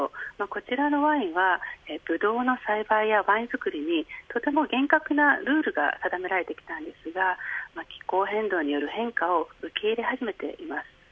こちらのワインはブドウの栽培やワイン造りにとても厳格なルールが定められてきたんですが気候変動による変化を受け入れ始めています。